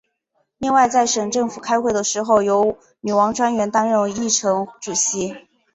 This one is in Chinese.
另外在省政府开会的时候是由女王专员担任议程主席。